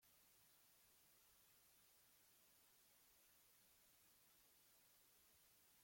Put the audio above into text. En los últimos tiempos Colonia ha expandido en gran medida sus áreas verdes.